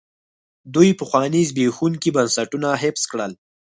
دوی پخواني زبېښونکي بنسټونه حفظ کړل.